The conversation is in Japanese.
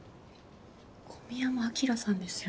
小宮山アキラさんですよ